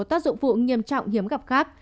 tác dụng vụ nghiêm trọng hiếm gặp khác